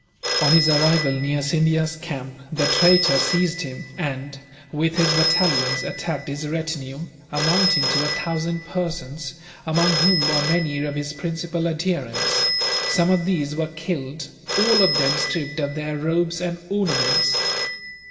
On his arrival near Scindia's camp the traitor seized him and, with his battalions, attacked his retinue, amounting to about a thousand persons, among whom were many of his principal adherents. Some of these were killed, all of them stripped of their robes and ornaments.